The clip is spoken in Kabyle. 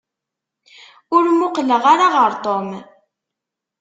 Ur muqleɣ ara ɣer Tom.